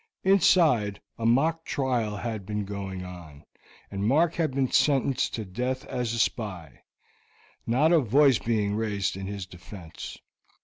Inside a mock trial had been going on, and Mark had been sentenced to death as a spy, not a voice being raised in his defense.